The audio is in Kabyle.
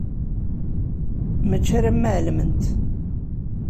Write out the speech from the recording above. Mačči alamma ɛelment.